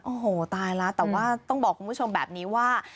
โอ้โหตายแล้วแต่ว่าต้องบอกคุณผู้ชมแบบนี้ว่า